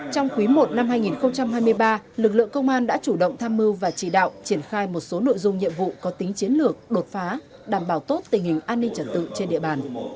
trong quý i năm hai nghìn hai mươi ba lực lượng công an đã chủ động tham mưu và chỉ đạo triển khai một số nội dung nhiệm vụ có tính chiến lược đột phá đảm bảo tốt tình hình an ninh trật tự trên địa bàn